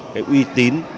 cái uy tín